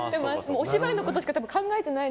お芝居のことしか考えてない。